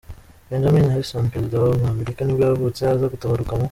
Benjamin Harrison, perezida wa wa Amerika nibwo yavutse, aza gutabaruka mu .